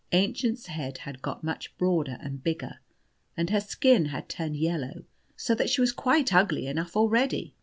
Aennchen's head had got much broader and bigger, and her skin had turned yellow, so that she was quite ugly enough already.